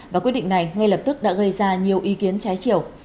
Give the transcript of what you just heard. và quyết định này ngay lập tức đã gây ra nhiều ý kiến trái chiều